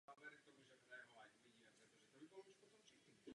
V Praze se pravidelně konají fotografické festivaly a výstavy.